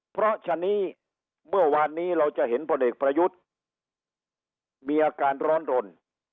เพราะฉะนั้นเมื่อวานนี้เราจะเห็นพลเอกประยุทธ์มีอาการร้อนรน